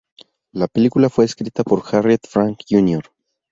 La película fue escrita por Harriet Frank Jr.